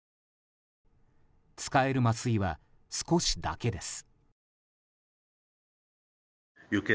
使える麻酔は少しだけです。